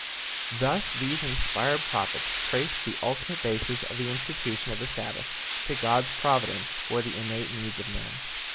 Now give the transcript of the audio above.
Thus these inspired prophets traced the ultimate basis of the institution of the Sabbath to God's providence for the innate needs of man.